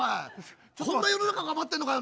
こんな世の中が待ってんのかよ。